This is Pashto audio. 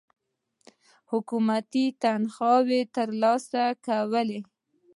حکومتي تنخواوې تر لاسه کولې.